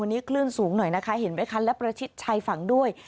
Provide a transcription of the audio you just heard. วันนี้คลื่นสูงหน่อยนะคะเห็นไหมคะและประชิดชายฝั่งด้วย